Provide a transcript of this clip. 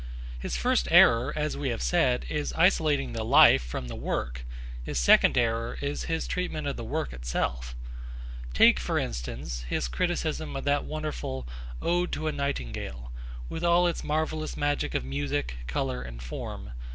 His first error, as we have said, is isolating the life from the work; his second error is his treatment of the work itself. Take, for instance, his criticism of that wonderful Ode to a Nightingale, with all its marvellous magic of music, colour and form.